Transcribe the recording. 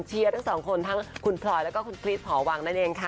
เชียร์ทั้งสองคนทั้งคุณพลอยแล้วก็คุณคริสหอวังนั่นเองค่ะ